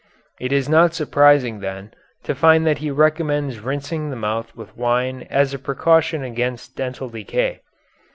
It is not surprising, then, to find that he recommends rinsing of the mouth with wine as a precaution against dental decay.